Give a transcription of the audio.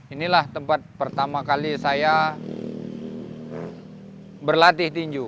inilah tempat pertama kali saya berlatih tinju